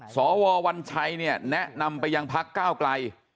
สววัญชัยเนี่ยแนะนำไปยังพักก้าวไกล